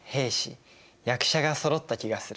役者がそろった気がする。